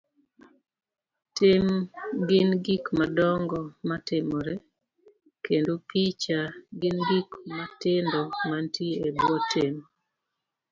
Tim gin gik madongo matimore, kendo picha gin gik matindo mantie ebwo tim.